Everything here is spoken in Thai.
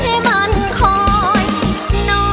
แชมป์สายนี้มันก็น่าจะไม่ไกลมือเราสักเท่าไหร่ค่ะ